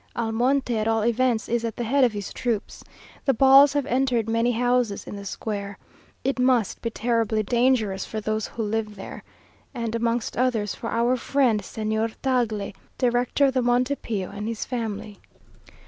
Almonte at all events is at the head of his troops. The balls have entered many houses in the square. It must be terribly dangerous for those who live there, and amongst others, for our friend Señor Tagle, Director of the Monte Pio, and his family.